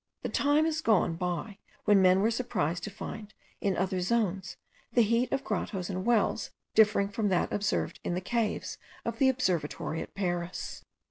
The time is gone by when men were surprised to find, in other zones, the heat of grottoes and wells differing from that observed in the caves of the observatory at Paris.